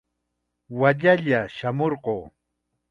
Wallalla shamurquu.